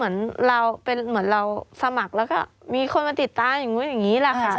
ก็คือเป็นเหมือนเราสมัครแล้วก็มีคนมาติดตามอย่างนี้แหละค่ะ